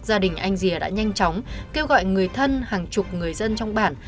gia đình anh rìa đã nhanh chóng kêu gọi người thân hàng chục người dân trong bản